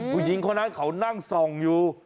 ผู้หญิงคนนั้นเขานั่งส่องอยู่